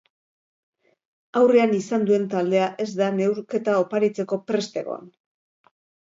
Aurrean izan duen taldea ez da neurketa oparitzeko prest egon.